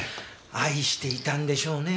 愛していたんでしょうね